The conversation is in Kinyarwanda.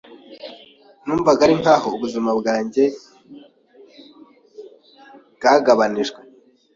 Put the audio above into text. Numvaga ari nk'aho ubuzima bwanjye bwagabanijwe.